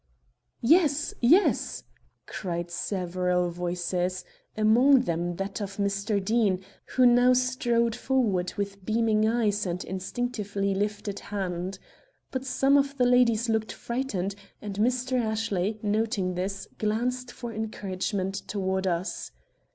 "Yes, yes," cried several voices, among them that of Mr. Deane, who now strode forward with beaming eyes and instinctively lifted hand. But some of the ladies looked frightened, and Mr. Ashley, noting this, glanced for encouragement toward us.